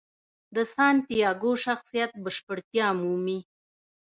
د سانتیاګو شخصیت بشپړتیا مومي.